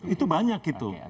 itu banyak gitu